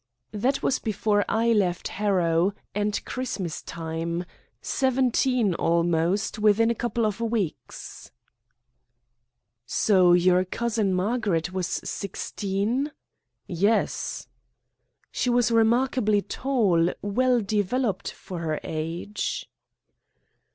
"That was before I left Harrow, and Christmas time. Seventeen almost, within a couple of weeks." "So your cousin Margaret was sixteen?" "Yes." "She was remarkably tall, well developed for her age."